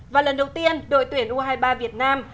và lần đầu tiên đội tuyển u hai mươi ba việt nam